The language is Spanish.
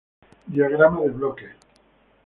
Diagrama de bloques